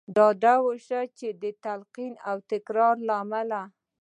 ډاډه اوسئ چې د تلقين او تکرار له امله.